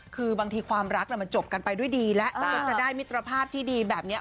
คือบางทีความรักมันจบกันไปด้วยดีแล้วแต่ก็จะได้มิตรภาพที่ดีแบบนี้